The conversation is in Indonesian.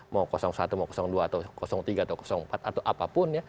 mau satu mau dua atau tiga atau empat atau apapun ya